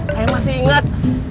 saya masih ingat